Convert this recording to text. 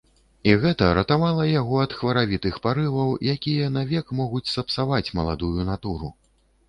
І гэта ратавала яго ад хваравітых парываў, якія навек могуць сапсаваць маладую натуру.